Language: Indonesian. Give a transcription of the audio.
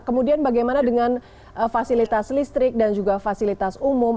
kemudian bagaimana dengan fasilitas listrik dan juga fasilitas umum